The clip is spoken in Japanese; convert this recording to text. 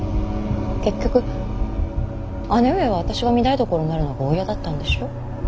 結局姉上は私が御台所になるのがお嫌だったんでしょう。